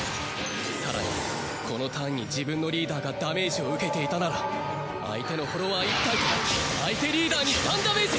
更にこのターンに自分のリーダーがダメージを受けていたなら相手のフォロワー１体と相手リーダーに３ダメージ！